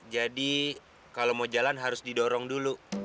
jadi kalau mau jalan harus didorong dulu